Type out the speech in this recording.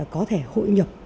có thể hội nhập